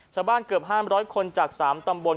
ชาวบ้านเกือบ๕๐๐คนจาก๓ตำบล